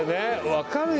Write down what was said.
分かるよ